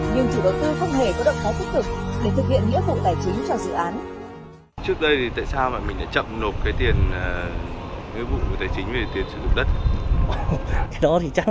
nhưng chủ đầu tư không hề có động thái phức tực